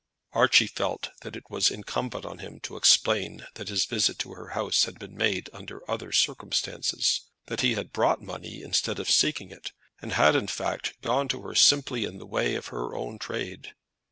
Archie felt that it was incumbent on him to explain that his visit to her house had been made under other circumstances, that he had brought money instead of seeking it; and had, in fact, gone to her simply in the way of her own trade.